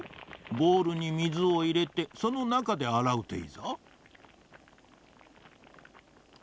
ボウルに水をいれてそのなかであらうといいぞ。